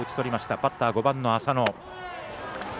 バッター、５番の浅野。